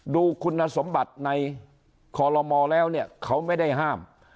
ดูคุณสมบัติในคอลโลมอแล้วเนี่ยเขาไม่ได้ห้าม